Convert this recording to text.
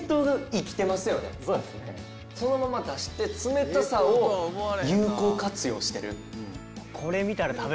そのまま出して冷たさを有効活用してる。